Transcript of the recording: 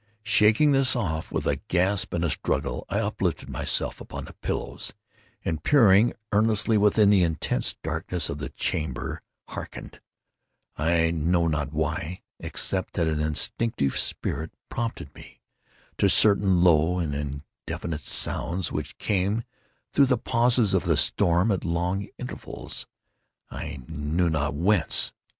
Shaking this off with a gasp and a struggle, I uplifted myself upon the pillows, and, peering earnestly within the intense darkness of the chamber, harkened—I know not why, except that an instinctive spirit prompted me—to certain low and indefinite sounds which came, through the pauses of the storm, at long intervals, I knew not whence.